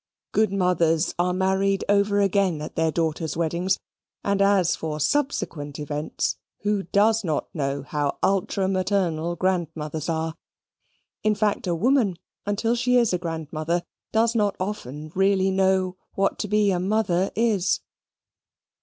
Good mothers are married over again at their daughters' weddings: and as for subsequent events, who does not know how ultra maternal grandmothers are? in fact a woman, until she is a grandmother, does not often really know what to be a mother is.